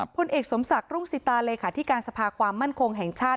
พลเอกสมศักดิ์รุ่งสิตาเลขาธิการสภาความมั่นคงแห่งชาติ